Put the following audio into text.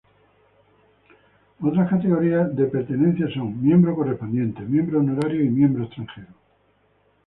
Otras categorías de pertenencia son: miembro correspondiente, miembro honorario y miembro extranjero.